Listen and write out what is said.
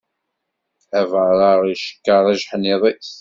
Abaṛeɣ icekkeṛ ajeḥniḍ-is.